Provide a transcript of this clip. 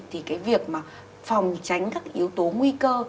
thì cái việc mà phòng tránh các yếu tố nguy cơ